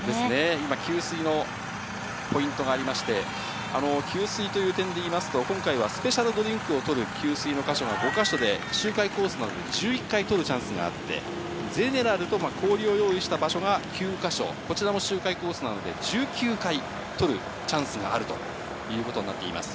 今、給水のポイントがありまして、給水という点でいいますと、今回はスペシャルドリンクを取る給水の箇所が５か所で、周回コースなので１１回、取るチャンスがあって、ゼネラルと氷を用意した場所が９か所、こちらも周回コースなので、１９回、取るチャンスがあるということになっています。